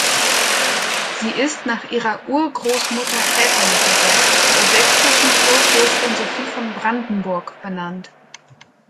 Sie ist nach ihrer Urgroßmutter väterlicherseits, der sächsischen Kurfürstin Sophie von Brandenburg, benannt.